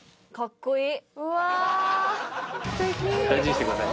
大事にしてください。